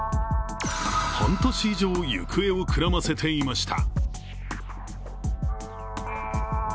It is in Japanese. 半年以上、行方をくらませていました。